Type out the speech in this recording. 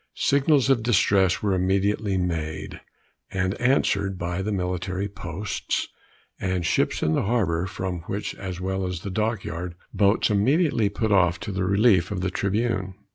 Signals of distress were immediately made, and answered by the military posts and ships in the harbor, from which, as well as the dock yard, boats immediately put off to the relief of the Tribune.